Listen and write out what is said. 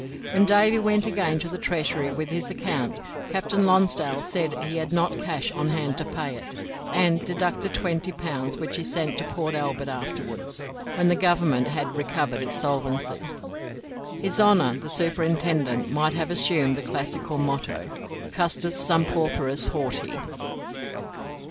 When Davy went again to the Treasury with his account, Captain Lonsdale said he had not cash on hand to pay it, and deducted twenty pounds, which he sent to Port Albert afterwards, when the Government had recovered its solvency. His Honour the Superintendent might have assumed the classical motto, "Custos sum pauperis horti."